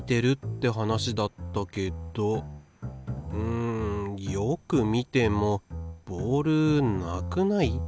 うんよく見てもボールなくない？